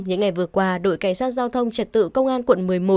những ngày vừa qua đội cảnh sát giao thông trật tự công an quận một mươi một